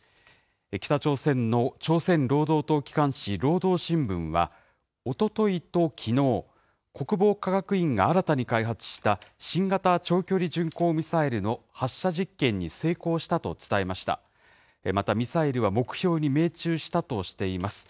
北朝鮮の朝鮮労働党機関紙、労働新聞は、おとといときのう、国防科学院が新たに開発した新型長距離巡航ミサイルの発射実験に成功したと伝えました。